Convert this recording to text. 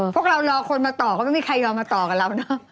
พวกเรารอคนมาต่อก็ไม่มีใครยอมมาต่อกับเราเนอะ